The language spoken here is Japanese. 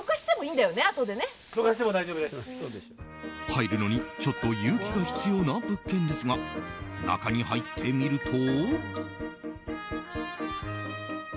入るのにちょっと勇気が必要な物件ですが中に入ってみると。